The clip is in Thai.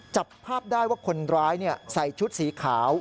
จับภาพได้ว่าคนร้ายใส่ชุดสีขาว